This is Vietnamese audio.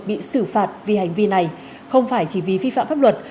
bị xử phạt vì hành vi này không phải chỉ vì vi phạm pháp luật